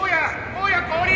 光矢降臨！